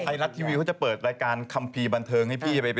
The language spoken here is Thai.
ไทยรัฐทีวีเขาจะเปิดรายการคัมภีร์บันเทิงให้พี่ไป